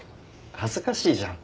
恥ずかしいじゃん。